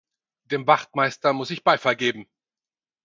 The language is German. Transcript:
Dem Wachtmeister muß ich Beifall geben.